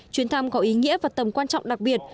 chuyến thăm có ý nghĩa và tầm quan trọng đặc biệt